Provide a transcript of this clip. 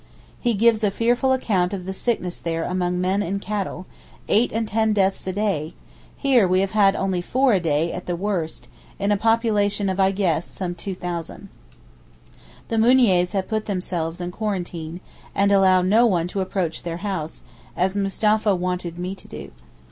He gives a fearful account of the sickness there among men and cattle—eight and ten deaths a day; here we have had only four a day, at the worst, in a population of (I guess) some 2,000. The Mouniers have put themselves in quarantine, and allow no one to approach their house, as Mustapha wanted me to do.